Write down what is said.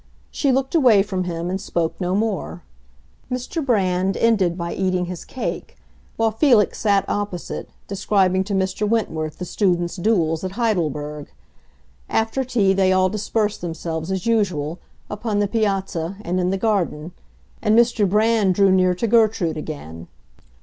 She looked away from him and spoke no more. Mr. Brand ended by eating his cake, while Felix sat opposite, describing to Mr. Wentworth the students' duels at Heidelberg. After tea they all dispersed themselves, as usual, upon the piazza and in the garden; and Mr. Brand drew near to Gertrude again.